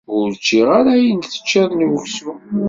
Ur ččiɣ ara ayen teččiḍ n uksum.